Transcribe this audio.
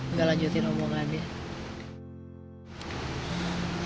nggak lanjutin omongannya